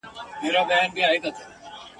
په عزت یې مېلمه کړی په ریشتیا یې!.